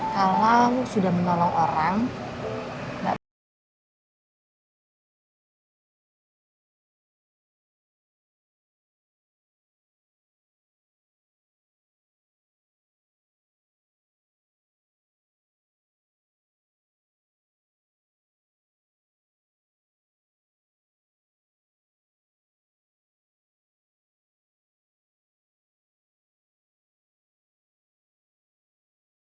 kalo sudah menolong orang gak perlu